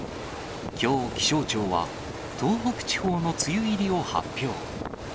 きょう、気象庁は東北地方の梅雨入りを発表。